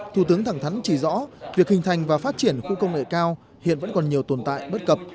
thủ tướng thẳng thắn chỉ rõ việc hình thành và phát triển khu công nghệ cao hiện vẫn còn nhiều tồn tại bất cập